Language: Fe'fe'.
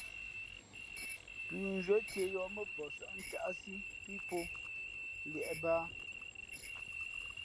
Pʉ̌nzhwē cēh yōh mά pαh sάʼ ncáʼsí pí pαhǒ liēʼ bāā.